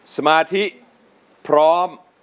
สมาธิพร้อม